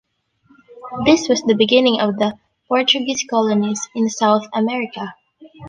This was the beginning of the Portuguese colonies in South America.